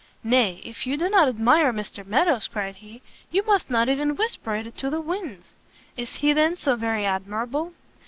"Nay, if you do not admire Mr Meadows," cried he, "you must not even whisper it to the winds." "Is he, then, so very admirable?"